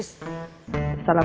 assalamu'alaikum wa'alaikum salam